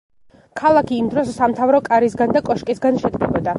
ქალაქი იმ დროს სამთავრო კარისგან და კოშკისგან შედგებოდა.